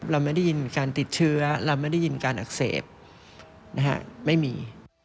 เราไม่ได้ยินการติดเชื้อเราไม่ได้ยินการอักเสบไม่มี